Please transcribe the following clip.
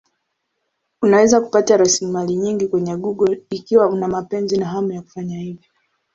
Unaweza kupata rasilimali nyingi kwenye Google ikiwa una mapenzi na hamu ya kufanya hivyo.